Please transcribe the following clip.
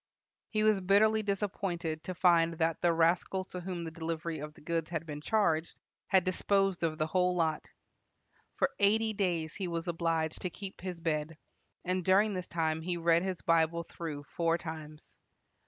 He was bitterly disappointed to find that the rascal to whom the delivery of the goods had been charged had disposed of the whole lot. For eighty days he was obliged to keep his bed, and during this time he read his Bible through four times.